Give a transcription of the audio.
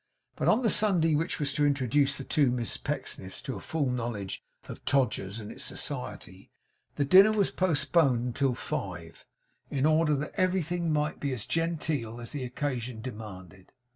But on the Sunday which was to introduce the two Miss Pecksniffs to a full knowledge of Todgers's and its society, the dinner was postponed until five, in order that everything might be as genteel as the occasion demanded.